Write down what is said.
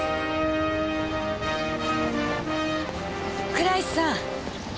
倉石さん。